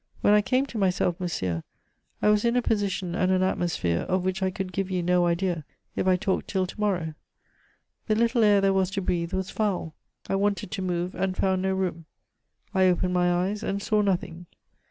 "When I came to myself, monsieur, I was in a position and an atmosphere of which I could give you no idea if I talked till to morrow. The little air there was to breathe was foul. I wanted to move, and found no room. I opened my eyes, and saw nothing.